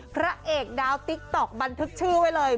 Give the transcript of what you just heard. พระเอกดาวติ๊กต๊อกบันทึกชื่อไว้เลย